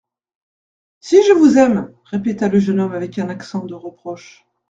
—«Si je vous aime !…» répéta le jeune homme avec un accent de reproche.